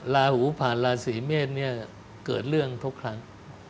ลาหูผ่านราศีเมษเนี่ยเกิดเรื่องทุกครั้ง